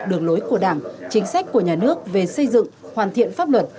đường lối của đảng chính sách của nhà nước về xây dựng hoàn thiện pháp luật